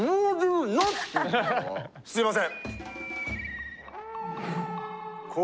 あのすいません